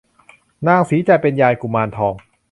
นางสีจันทร์เป็นยายกุมารทอง